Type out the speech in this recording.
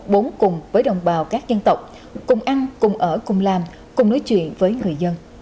bốn cùng với đồng bào các dân tộc cùng ăn cùng ở cùng làm cùng nói chuyện với người dân